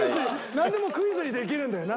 なんでもクイズにできるんだよな。